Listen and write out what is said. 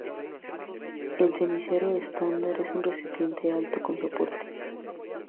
El cenicero estándar es un recipiente alto con soporte.